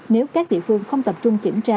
nếu các địa phương không tập trung kiểm tra